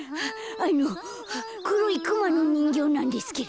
あのくろいクマのにんぎょうなんですけど。